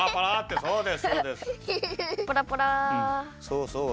そうそう。